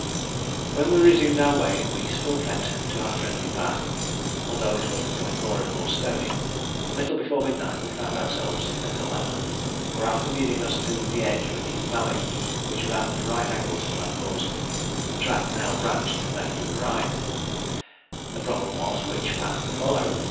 When we resumed our way we still kept to our friendly path, although it was becoming more and more stony. A little before midnight we found ourselves in a dilemma, for, after leading us to the edge of a deep valley which ran at right angles to our course, the track now branched right and left. The problem was which path to follow.